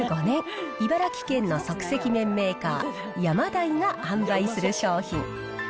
創業７５年、茨城県の即席麺メーカー、ヤマダイが販売する商品。